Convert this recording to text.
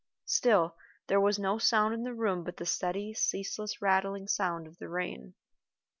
Still there was no sound in the room but the steady, ceaseless rattling sound of the rain.